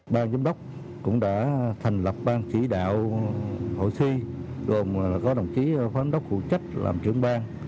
ban giám đốc cũng đã thành lập ban chỉ đạo hội c gồm có đồng chí phán đốc phụ trách làm trưởng bang